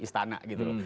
tanah gitu loh